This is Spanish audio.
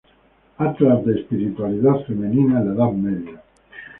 Atlas de espiritualidad femenina en la Edad Media".